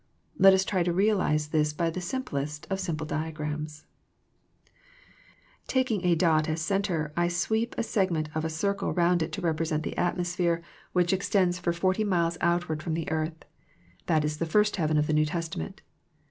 Let us try to realize this by the simplest of simple diagrams. Saints and Seraphim Taking that dot as centre I sweep a segment of a circle round it to represent the atmosphere THE PLANE OF PEAYER 73 which extends for forty miles outward from tho earth. That is the first heaven of the New Testa ment.